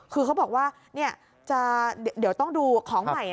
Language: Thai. คือเขาบอกว่าเดี๋ยวต้องดูของใหม่